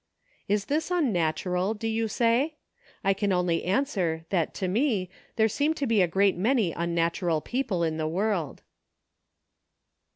Is this unnatural, do you say ? I can only answer that to me there seem to be a great many unnatural people in the world.